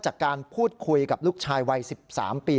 จากการพูดคุยกับลูกชายวัย๑๓ปี